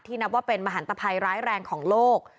นับว่าเป็นมหันตภัยร้ายแรงของโลก